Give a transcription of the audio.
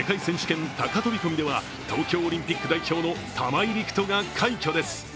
権高飛び込みでは東京オリンピック代表の玉井陸斗が快挙です。